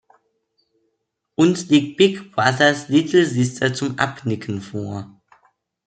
Uns liegt Big Brother's little sister zum Abnicken vor.